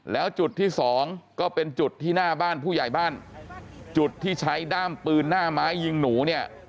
แล้วจุดที่สองก็เป็นจุดที่หน้าบ้านผู้ใหญ่บ้านจุดที่ใช้ด้ามปืนหน้าไม้ยิงหนูเนี่ย